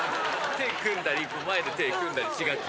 手組んだり、前で手組んだりしがち。